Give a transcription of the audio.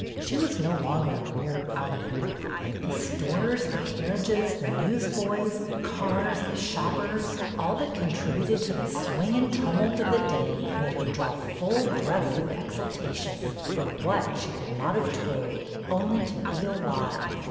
She was no longer a mere onlooker. The stores, the carriages, the newsboys, the cars, the shoppers, all that contributed to the 276 BETTY BAIRD'S VENTURES swing and tumult of the day, made her draw full breaths of exultation, for what, she could not have told, only to be alive